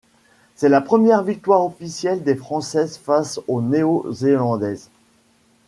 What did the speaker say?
C'est la première victoire officielle des Françaises face aux Néo-Zélandaises.